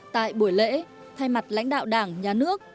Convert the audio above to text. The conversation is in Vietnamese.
tại buổi lễ thay mặt lãnh đạo đảng nhà nước